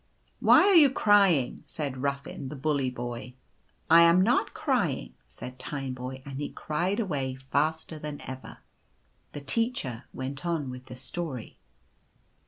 "Why are you crying?" said Ruffin, the bully boy. "/ am not crying? said Tineboy, and he cried away faster than ever. The Teacher went on with the story.